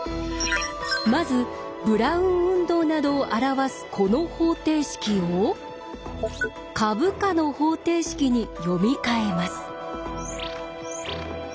まずブラウン運動などを表すこの方程式を株価の方程式に読み替えます。